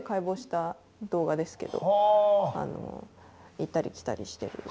行ったり来たりしてる。